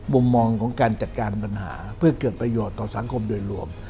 มุมมองของการจัดการปัญหาเพื่อเกิดประโยชน์ต่อสังคมโดยรวม